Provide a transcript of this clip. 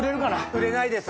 売れないです。